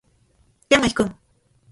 Kema, ijkon.